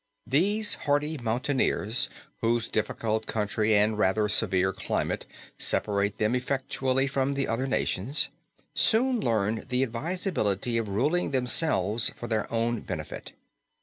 These hardy mountaineers whose difficult country and rather severe climate separate them effectually from the other nations, soon learned the advisability of ruling themselves for their own benefit.